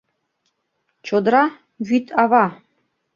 Чодыра — вӱд ава.